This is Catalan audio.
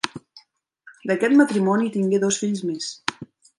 D'aquest matrimoni tingué dos fills més.